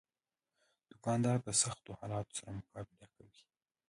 دوکاندار د سختو حالاتو سره مقابله کوي.